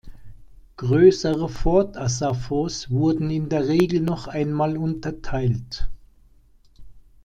Größere Fort-Asafos wurden in der Regel noch einmal unterteilt.